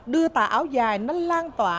đưa tà áo dài nó lan tỏa